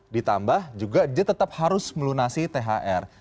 ditambah juga dia tetap harus melunasi thr